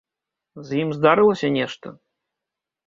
З ім здарылася нешта?